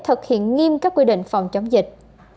thực hiện nghiêm các quy định phòng chống dịch